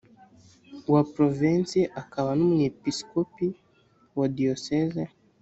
wa provensi akaba n umwepisikopi wa diyoseze